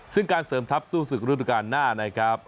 ซึ่งการเสริมทัพสู้ศึกฤดูการหน้านะครับ